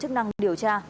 chức năng điều tra